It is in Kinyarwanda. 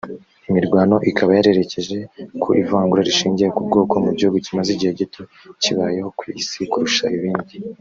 Imirwano ikaba yarerekeje ku ivangura rishingiye ku bwoko mu gihugu kimaze igihe gito kibayeho ku Isi kurusha ibindi